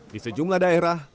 di sejumlah daerah